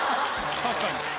確かに。